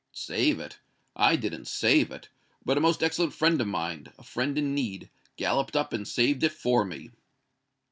"Save it I didn't save it; but a most excellent friend of mine a friend in need galloped up and saved it for me."